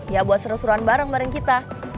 ya buat seru seruan bareng bareng kita